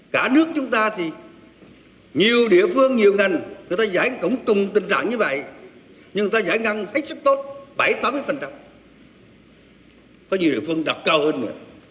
có nhiều địa phương đọc cao hơn